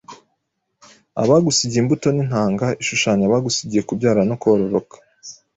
Abagusigaranye imbuto n’intanga ishushanya abagusigiye kubyara no kororoka